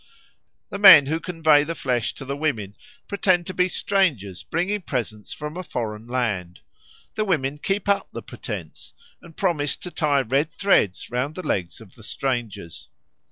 The men who convey the flesh to the women pretend to be strangers bringing presents from a foreign land; the women keep up the pretence and promise to tie red threads round the legs of the strangers.